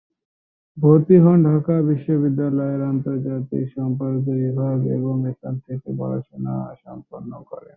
ভর্তি হন ঢাকা বিশ্ববিদ্যালয়ের আন্তর্জাতিক সম্পর্ক বিভাগ এবং এখান থেকে পড়াশোনা সম্পন্ন করেন।